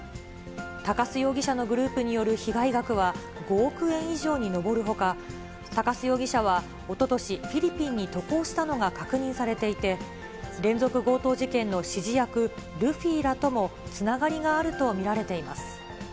鷹巣容疑者のグループによる被害額は５億円以上に上るほか、鷹巣容疑者はおととし、フィリピンに渡航したのが確認されていて、連続強盗事件の指示役、ルフィらともつながりがあると見られています。